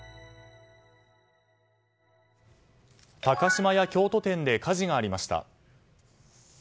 高島屋京都店で火事がありました。